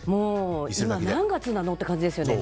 今、何月なの？って感じですよね。